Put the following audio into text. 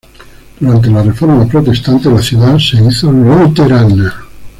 Durante la Reforma Protestante, la ciudad se hizo luterana.